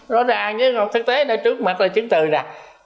rõ ràng với thực tế là trước mặt là chứng từ nè